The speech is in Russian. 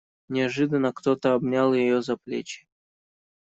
Неожиданно кто-то обнял ее за плечи.